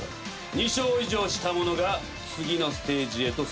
２勝以上した者が次のステージへと進む。